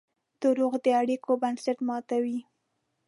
دروغ د اړیکو بنسټ ماتوي.